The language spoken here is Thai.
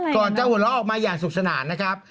ก่อนจะหัวเราะออกมาอย่างสุขสนานนะครับ